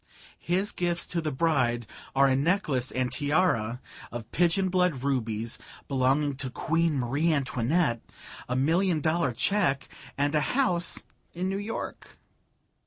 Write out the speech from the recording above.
His gifts to the bride are a necklace and tiara of pigeon blood rubies belonging to Queen Marie Antoinette, a million dollar cheque and a house in New York.